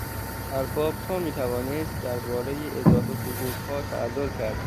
ارباب تا میتوانست دربارهی اضافه حقوقها تعلل کرد.